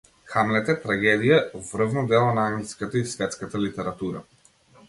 „Хамлет“ е трагедија, врвно дело на англиската и светската литература.